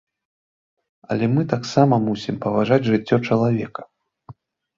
Але мы таксама мусім паважаць жыццё чалавека.